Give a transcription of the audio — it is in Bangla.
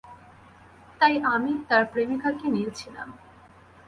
তাই আমি তার প্রেমিকাকে নিয়েছিলাম।